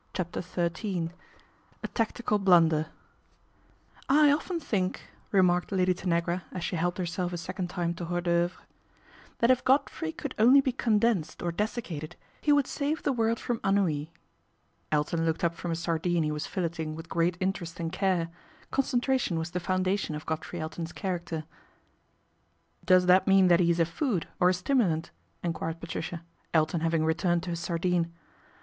CHAPTER XIII A TACTICAL BLUNDER "TT OFTEN think/' remarked Lady Tanagra as she helped herself a second time to *" hors d f ceuvres, " that if Godfrey could wily be condensed or desiccated he would save the world from ennui/' Elton looked up from a sardine he was filleting with great interest and care ; concentration was the foundation of Godfrey Elton's character. " Does that mean that he is a food or a stimu lant ?" enquired Patricia, Elton having returned to his sardine.